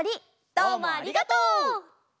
どうもありがとう！